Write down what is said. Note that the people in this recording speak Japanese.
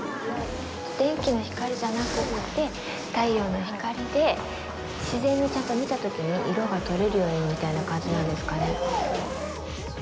電気の光じゃなくって太陽の光で、自然にちゃんと見たときに色が取れるようにみたいな感じなんですかね。